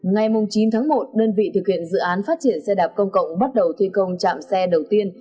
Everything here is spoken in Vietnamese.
ngày chín tháng một đơn vị thực hiện dự án phát triển xe đạp công cộng bắt đầu thi công trạm xe đầu tiên